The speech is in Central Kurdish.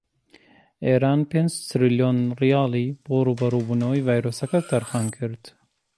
ئێران پێنج تریلۆن ڕیالی بۆ ڕووبەڕوو بوونەوەی ڤایرۆسەکە تەرخانکرد.